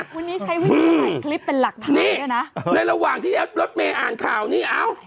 วันนี้ใช้วิธีถ่ายคลิปเป็นหลักฐานนี่นะในระหว่างที่แอปรถเมย์อ่านข่าวนี้เอ้า